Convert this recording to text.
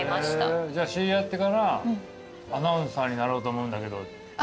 じゃあ知り合ってからアナウンサーになろうと思うんだけどって。